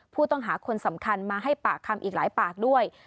ผู้ต้องหาคนสำคัญมาให้ปากคำอีกหลายปากด้วย